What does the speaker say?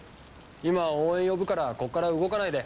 今応援呼ぶからここから動かないで。